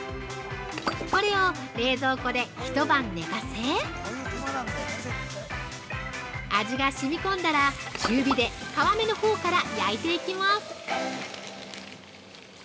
これを冷蔵庫で一晩寝かせ味がしみこんだら中火で皮目のほうから焼いていきます。